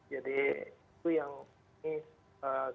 jadi itu yang ini